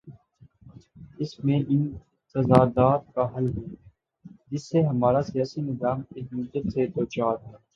اس میں ان تضادات کا حل ہے، جن سے ہمارا سیاسی نظام ایک مدت سے دوچار ہے۔